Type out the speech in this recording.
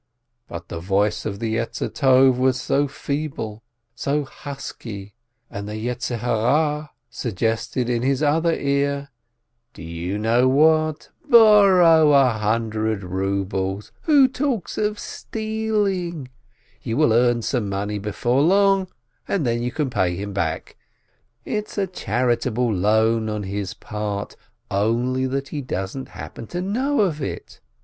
But the voice of the Good Inclination was so feeble, so husky, and the Evil Inclination suggested in his other ear: "Do you know what? Borrow one hun dred rubles! Who talks of stealing? You will earn some money before long, and then you can pay him back — it's a charitable loan on his part, only that he doesn't happen to know of it.